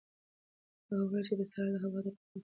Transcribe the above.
هغه وویل چې د سهار هوا د روغتیا کلي ده.